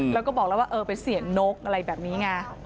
แล้วก็บอกแล้วว่าเออไปเสี่ยงนกอะไรแบบนี้ไง